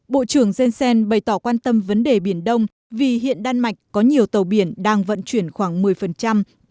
bộ trưởng jensen bày tỏ quan tâm vấn đề biển đông vì hiện đan mạch có nhiều tàu biển đang vận chuyển khoảng một mươi tổng lượng hàng hóa quốc tế